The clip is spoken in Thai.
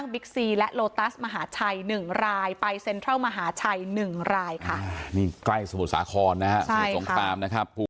โปรตัสมหาชัยหนึ่งรายไปเซ็นทรัลมหาชัยหนึ่งรายค่ะนี่ใกล้สมุดสาขอน่ะครับใช่ค่ะสมุดสงครามนะครับ